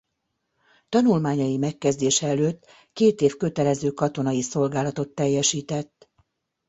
Tanulmányai megkezdése előtt két év kötelező katonai szolgálatot teljesített.